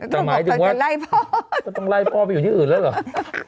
ต้องไล่พ่อต้องไล่พ่อไปอยู่ที่อื่นแล้วเหรอ